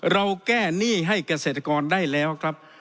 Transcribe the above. เราแก้หนี้ให้เกษตรกรได้แล้วครับ